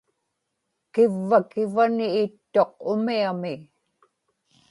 kivva kivani ittuq umiami